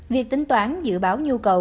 việc tính toán dự báo nhu cầu